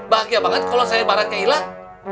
bahagia banget kalau saya barang keilah